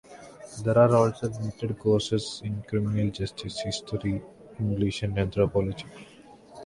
There are also limited courses in criminal justice, history, English, and anthropology.